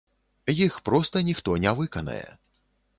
Іх проста ніхто не выканае.